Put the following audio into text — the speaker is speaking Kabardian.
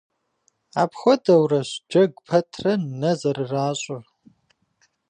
Апхуэдэурэщ джэгу пэтрэ нэ зэрыращӏыр.